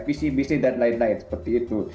pc bisnis dan lain lain seperti itu